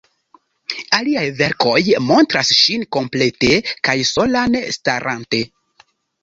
Aliaj verkoj montras ŝin komplete kaj solan, starante.